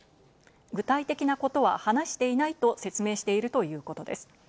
具体的なことは話していないと説明しているということです。